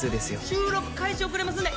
収録開始遅れますんで。